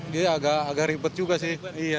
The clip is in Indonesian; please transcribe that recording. dia agak ribet juga sih